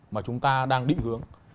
mà chúng ta đang định hướng